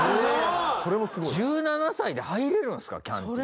すごい！１７歳で入れるんですかキャンティって。